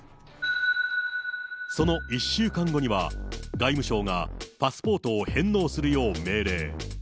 その１週間後には、外務省がパスポートを返納するよう命令。